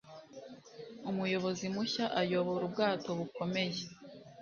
Umuyobozi mushya ayobora ubwato bukomeye